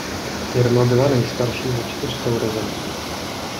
Irma byla nejstarší ze čtyř sourozenců.